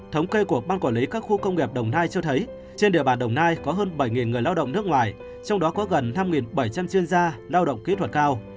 thống kê của ban quản lý các khu công nghiệp đồng nai cho thấy trên địa bàn đồng nai có hơn bảy người lao động nước ngoài trong đó có gần năm bảy trăm linh chuyên gia lao động kỹ thuật cao